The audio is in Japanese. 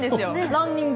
ランニング。